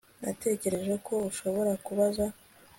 natekereje ko ushobora kubaza